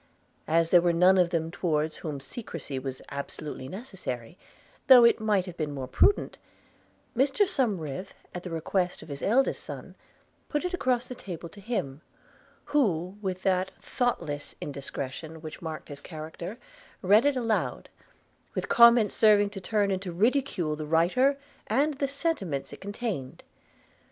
As there were none of them towards whom secrecy was absolutely necessary, though it might have been more prudent, Mr Somerive, at the request of his eldest son, put it across the table to him – who, with that thoughtless indiscretion which marked his character, read it aloud, with comments serving to turn into ridicule the writer, and the sentiments it contained.